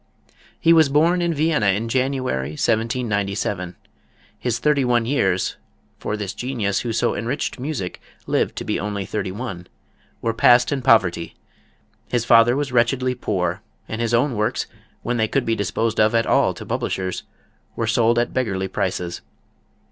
He was born in Vienna in January, 1797. His thirty one years for this genius who so enriched music lived to be only thirty one were passed in poverty. His father was wretchedly poor, and his own works, when they could be disposed of at all to publishers, were sold at beggarly prices.